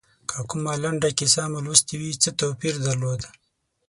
که کومه لنډه کیسه مو لوستي وي څه توپیر درلود.